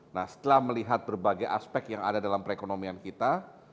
nah setelah melihat berbagai aspek yang ada dalam perekonomian kita